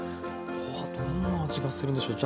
どんな味がするんでしょう？